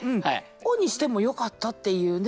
「を」にしてもよかったっていうね。